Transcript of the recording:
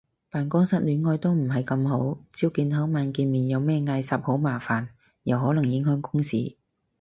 辦公室戀愛都唔係咁好，朝見口晚見面有咩嗌霎好麻煩，又可能影響公事